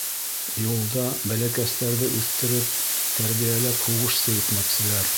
Юлда бәләкәстәрҙе үҫтереп, тәрбиәләп һуғышсы итмәкселәр.